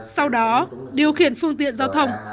sau đó điều khiển phương tiện giao thông